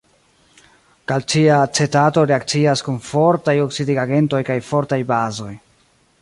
Kalcia acetato reakcias kun fortaj oksidigagentoj kaj fortaj bazoj.